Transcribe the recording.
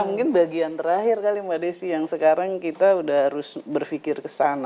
mungkin bagian terakhir kali mbak desi yang sekarang kita udah harus berpikir kesana